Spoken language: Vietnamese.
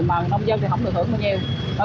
mà nông dân thì không được thưởng bao nhiêu